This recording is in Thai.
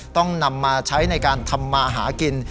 ต้องนำมาใช้ในการทำมาหากิน